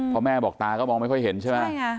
เพราะแม่บอกตาก็มองไม่ค่อยเห็นใช่ไหม